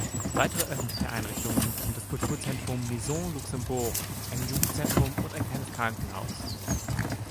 Weitere öffentliche Einrichtungen sind das Kulturzentrum „Maison Luxembourg“, ein Jugendzentrum und ein kleines Krankenhaus.